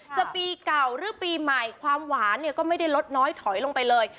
ปีเก่าหรือปีใหม่ความหวานเนี่ยก็ไม่ได้ลดน้อยถอยลงไปเลย